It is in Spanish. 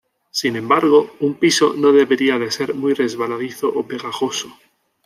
Sin embargo, un piso no debería de ser muy resbaladizo o pegajoso.